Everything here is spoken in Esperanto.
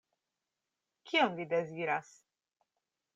Kion vi deziras?